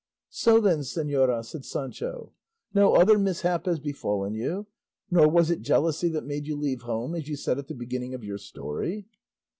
"So then, señora," said Sancho, "no other mishap has befallen you, nor was it jealousy that made you leave home, as you said at the beginning of your story?"